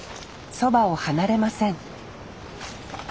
そばを離れません